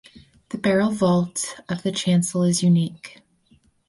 The barrel vault of the chancel is unique.